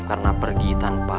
karena pergi tanpa